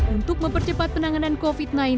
untuk mempercepat penanganan covid sembilan belas